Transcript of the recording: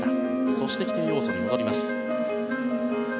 そして、規定要素に戻ります。